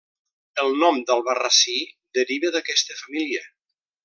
El nom d'Albarrasí deriva d'aquesta família.